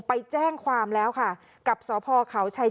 ไปแจ้งความแล้วค่ะกับสพเขาชัย